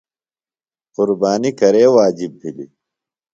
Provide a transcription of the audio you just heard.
قُربانی کرے واجب بِھلیۡ ؟